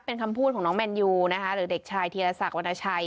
เป็นคำพูดของน้องแมนยูนะคะหรือเด็กชายธีรศักดิวรรณชัย